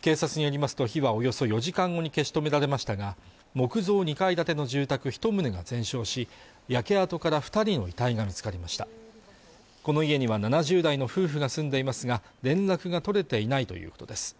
警察によりますと火はおよそ４時間後に消し止められましたが木造２階建ての住宅一棟が全焼し焼け跡から二人の遺体が見つかりましたこの家には７０代の夫婦が住んでいますが連絡が取れていないということです